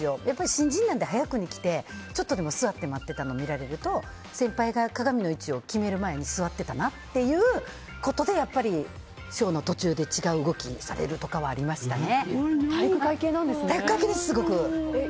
新人なんて早く来てちょっとでも座って待っているのを見られると先輩が鏡の位置を決める前に座ってたなということでショーの途中で違う動きされるとかは体育会系なんですね。